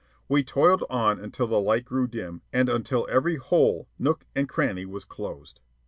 We toiled on until the light grew dim and until every hole, nook, and cranny was closed.